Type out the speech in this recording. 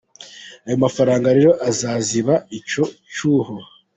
Ayo mafaranga rero azaziba icyo cyuho.